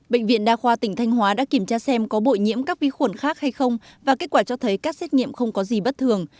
bệnh viện đa khoa tỉnh thanh hóa đã kiểm tra xem có bội nhiễm các vi khuẩn khác hay không và kết quả cho thấy các xét nghiệm không có gì bất thường